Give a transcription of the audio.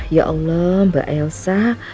ya allah mbak elsa